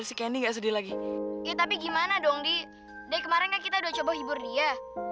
sampai jumpa di video selanjutnya